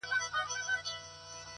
• او له مځکي خړ ګردونه بادېدله ,